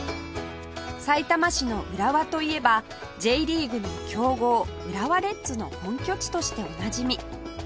さいたま市の浦和といえば Ｊ リーグの強豪浦和レッズの本拠地としておなじみ